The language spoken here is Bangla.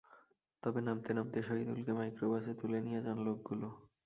তবে নামতে নামতে শহিদুলকে মাইক্রোবাসে তুলে নিয়ে যান লোকগুলো।